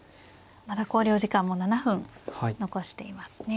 まだ考慮時間も７分残していますね。